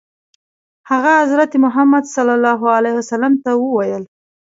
هغه حضرت محمد صلی الله علیه وسلم ته وویل.